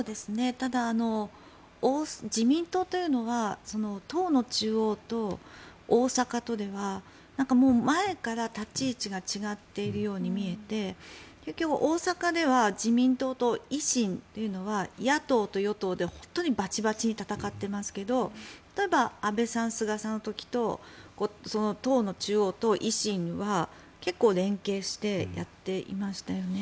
ただ、自民党というのは党の中央と大阪とではもう前から立ち位置が違っているように見えて結局、大阪では自民党と維新というのは野党と与党で本当にバチバチに戦ってますけど例えば安倍さん、菅さんの時党の中央と維新は結構連携してやっていましたよね。